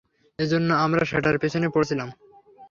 এজন্য আমরা সেটার পিছনে পড়েছিলাম।